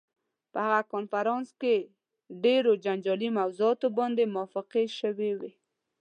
په هغه کنفرانس کې ډېرو جنجالي موضوعاتو باندې موافقې شوې وې.